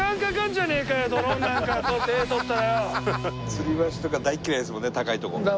吊り橋とか大っ嫌いですもんね高いとこ。